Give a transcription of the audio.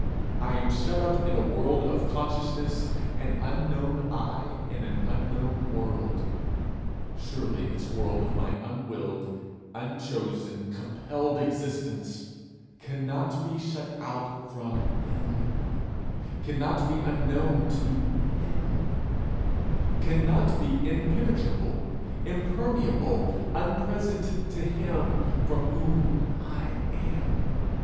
I am shut up in a world of consciousness, an unknown I in an unknown world: surely this world of my unwilled, unchosen, compelled existence, cannot be shut out from him, cannot be unknown to him, cannot be impenetrable, impermeable, unpresent to him from whom I am!